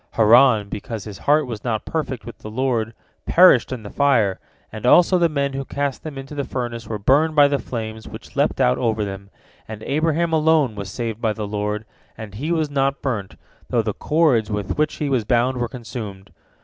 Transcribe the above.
Haran, because his heart was not perfect with the Lord, perished in the fire, and also the men who cast them into the furnace were burnt by the flames which leapt out over them, and Abraham alone was saved by the Lord, and he was not burnt, though the cords with which he was bound were consumed.